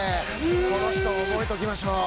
この人、覚えておきましょう。